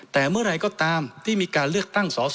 แต่เมื่อไหร่ก็ตามที่มีการเลือกตั้งสอสอ